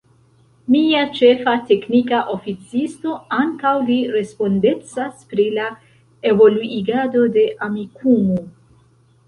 Mia Ĉefa Teknika Oficisto ankaŭ li respondecas pri la evoluigado de Amikumu